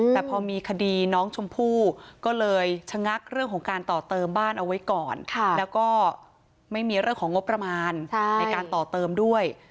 แต่พอมีคดีน้องชมพู่ก็เลยชะงักเรื่องของการต่อเติมบ้านเอาไว้ก่อนแล้วก็ไม่มีเรื่องของงบประมาณในการต่อเติมด้วย